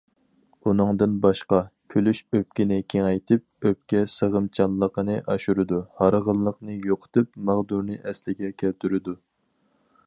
ئۇنىڭدىن باشقا، كۈلۈش ئۆپكىنى كېڭەيتىپ، ئۆپكە سىغىمچانلىقىنى ئاشۇرىدۇ، ھارغىنلىقنى يوقىتىپ، ماغدۇرنى ئەسلىگە كەلتۈرىدۇ.